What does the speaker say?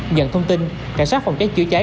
nhận thông tin cảnh sát phòng cháy chữa cháy